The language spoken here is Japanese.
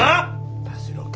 田代君。